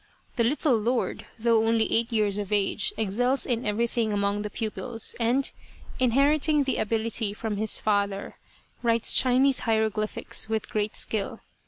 The little lord, though only eight years of age, excels in everything among the pupils and, inheriting the ability from his father, writes Chinese hieroglyphics with great skill.